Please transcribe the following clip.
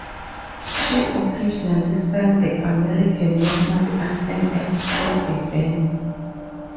She occasionally sang the American national anthem at sports events.